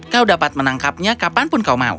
kau dapat menangkapnya kapanpun kau mau